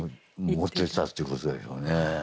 持ってったってことでしょうね。